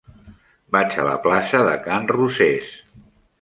Vaig a la plaça de Can Rosés.